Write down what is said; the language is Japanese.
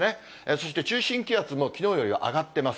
そして中心気圧もきのうよりは上がってます。